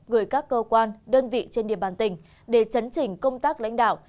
gửi các cơ quan đơn vị trên địa bàn tỉnh để chấn chỉnh công tác lãnh đạo